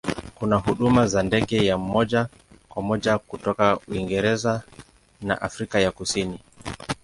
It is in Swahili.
Kuna huduma za ndege ya moja kwa moja kutoka Uingereza na Afrika ya Kusini.